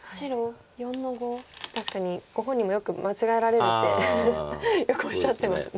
確かにご本人もよく間違えられるってよくおっしゃってますね。